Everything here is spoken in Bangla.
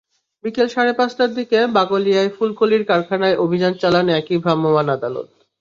বিকেল সাড়ে পাঁচটার দিকে বাকলিয়ায় ফুলকলির কারখানায় অভিযান চালান একই ভ্রাম্যমাণ আদালত।